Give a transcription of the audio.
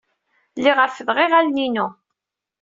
Lliɣ reffdeɣ iɣallen-inu.